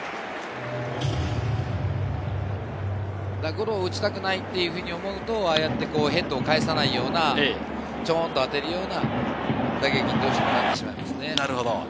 ゴロを打ちたくないと思うと、ああやってヘッドを返さないような、チョンと当てるような打撃になってしまいますね。